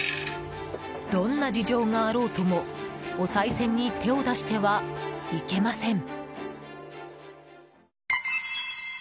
どんな事情があろうともおさい銭に手を出してはいけません。